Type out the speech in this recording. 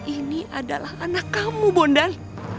ini adalah anak kamu bondan